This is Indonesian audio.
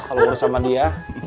kalau ngurus sama dia